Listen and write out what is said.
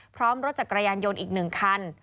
พร้อมรถจักรยานยนต์อีก๑คัน